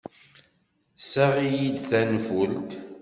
Seɣ-iyi-d tanfult.